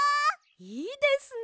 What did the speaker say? いいですね。